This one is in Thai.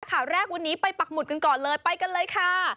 ข่าวแรกวันนี้ไปปักหมุดกันก่อนเลยไปกันเลยค่ะ